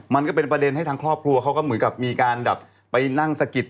มันก็เป็นประเด็นให้ทางครอบครัวเขาก็เหมือนกับมีการแบบไปนั่งสะกิด